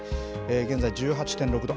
現在１８．６度。